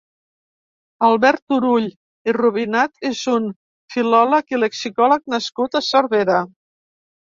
Albert Turull i Rubinat és un filòleg i lexicòleg nascut a Cervera.